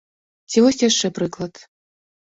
Ці вось яшчэ прыклад.